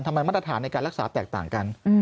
มาตรฐานในการรักษาแตกต่างกัน